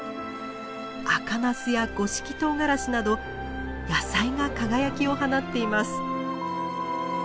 赤ナスや五色とうがらしなど野菜が輝きを放っています。